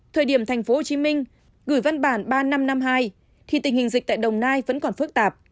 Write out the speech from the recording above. thời điểm tp hcm gửi văn bản ba nghìn năm trăm năm mươi hai thì tình hình dịch tại đồng nai vẫn còn phức tạp